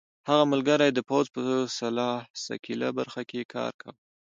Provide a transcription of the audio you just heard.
هغه ملګری یې د پوځ په سلاح ساقېله برخه کې کار کاوه.